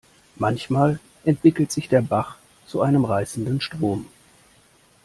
Manchmal entwickelt sich der Bach zu einem reißenden Strom.